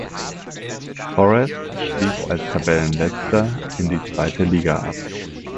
Forest stieg als Tabellenletzter in die zweite Liga ab.